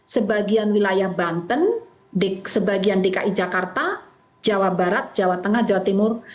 sebagian wilayah banten di sebagian dki jakarta jawa barat jawa tengah jawa timur